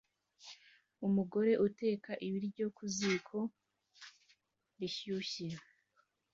Umugore uteka ibiryo ku ziko rishyushye